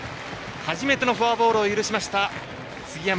初めてのフォアボールを許した杉山。